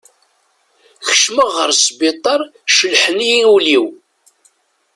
Kecmeɣ ɣer sbitaṛ celḥen-iyi ul-iw.